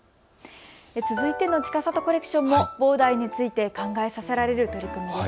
続いてのちかさとコレクションもボーダーについて考えさせられる取り組みです。